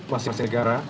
masih masih negara